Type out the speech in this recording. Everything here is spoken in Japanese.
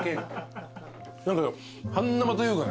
何か半生というかね